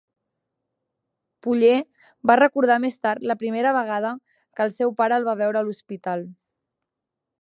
Puller va recordar més tard la primera vegada que el seu pare el va veure a l"hospital.